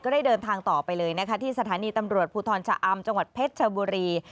ได้เดินทางต่อไปเลยนะคะที่สถานีตำรวจภูทรชะอำจังหวัดเพชรชบุรี